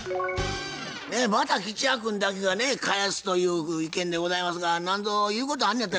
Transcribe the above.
また吉弥君だけがね返すという意見でございますが何ぞ言うことあんのやったら言うてみ。